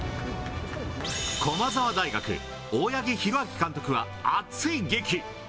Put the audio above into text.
駒澤大学、大八木弘明監督は、熱いげき。